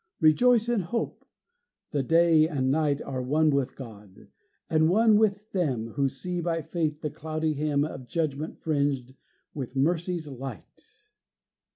Rejoice in hope! The day and night Are one with God, and one with them Who see by faith the cloudy hem Of Judgment fringed with Mercy's light!